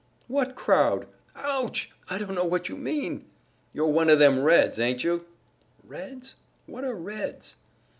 "What crowd? Ouch! I dunno what you mean!" "You're one of them Reds, aint you?" "Reds? What are Reds?"